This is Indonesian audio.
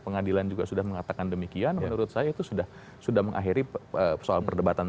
pengadilan juga sudah mengatakan demikian menurut saya itu sudah sudah mengakhiri soal perdebatan